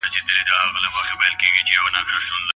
هرځل چې نجونې لوړو زده کړو ته ورسېږي، راتلونکی روښانه کېږي.